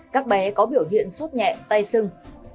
các bé có biểu hiện sốt nhẹ tay sưng